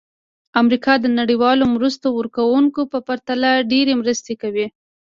امریکا د نړیوالو مرسته ورکوونکو په پرتله ډېرې مرستې کوي.